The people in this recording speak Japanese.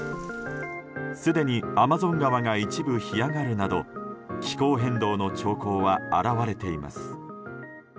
すでに、アマゾン川が一部干上がるなど気候変動の兆候は表れています。